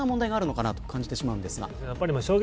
いろんな問題があるのかなと感じてしまうんですが。